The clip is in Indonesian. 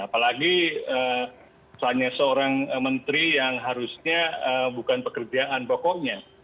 apalagi hanya seorang menteri yang harusnya bukan pekerjaan pokoknya